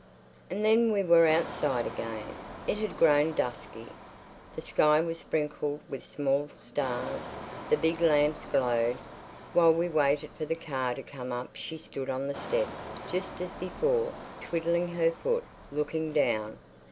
And then we were outside again. It had grown dusky. The sky was sprinkled with small stars; the big lamps glowed. While we waited for the car to come up she stood on the step, just as before, twiddling her foot, looking down.